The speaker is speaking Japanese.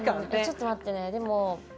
ちょっと待ってねでも。